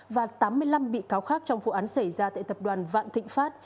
và tám mươi năm bị cáo khác trong vụ án xảy ra tại tập đoàn vạn thịnh pháp